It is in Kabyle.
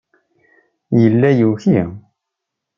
Yella yuki.